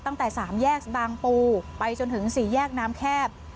ตั้งแต่๓แยกบางปูไปจนถึง๔แยกน้ำแคบ